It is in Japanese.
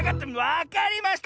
わかりました！